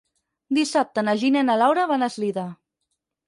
Dissabte na Gina i na Laura van a Eslida.